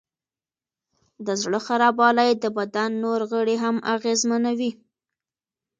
د زړه خرابوالی د بدن نور غړي هم اغېزمنوي.